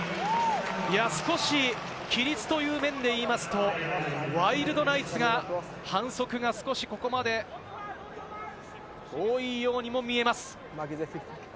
少し規律という面で言いますと、ワイルドナイツの反則が少しここまで多いようにも見えます。